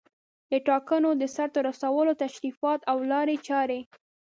د ټاکنو د سرته رسولو تشریفات او لارې چارې